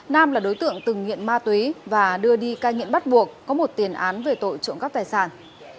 nam là đối tượng từng nghiện ma túy và đưa đi cai nghiện bắt buộc có một tiền án về tội trộm cắp tài sản